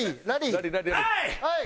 はい！